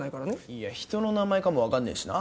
いや人の名前かもわかんねぇしな。